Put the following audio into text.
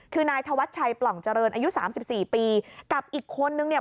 คือนายธวัชชัยปล่องเจริญอายุสามสิบสี่ปีกับอีกคนนึงเนี่ย